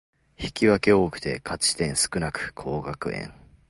引き分け多くて勝ち点少なく降格圏